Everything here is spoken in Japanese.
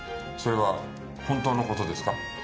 それは本当の事ですか？